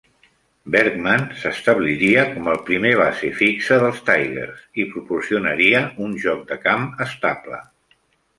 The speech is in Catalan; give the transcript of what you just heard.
Bergman s'establiria com el primer base fixe dels Tigers i proporcionaria un joc de camp estable.